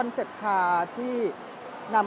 เดี๋ยวจะให้ดูว่าค่ายมิซูบิชิเป็นอะไรนะคะ